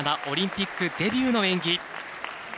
オリンピックデビューの演技。